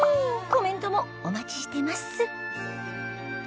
コメントもお待ちしてます